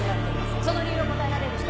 その理由を答えられる人。